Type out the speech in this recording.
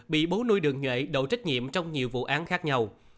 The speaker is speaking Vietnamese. bị bố nuôi đường nhuệ đậu trách nhiệm trong nhiều vụ án khác nhau